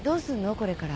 これから。